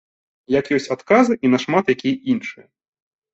Як ёсць адказы і на шмат якія іншыя.